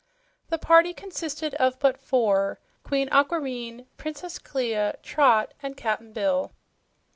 The party consisted of but four: Queen Aquareine, Princess Clia, Trot and Cap'n Bill.